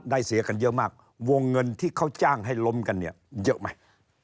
เสียกันเยอะมากวงเงินที่เขาจ้างให้ล้มกันเนี่ยเยอะไหม